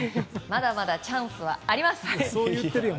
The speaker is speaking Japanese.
まだまだチャンスはあります。